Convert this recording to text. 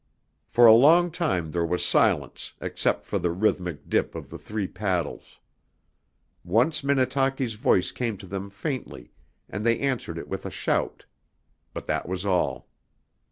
For a long time there was silence, except for the rhythmic dip of the three paddles. Once Minnetaki's voice came to them faintly, and they answered it with a shout. But that was all.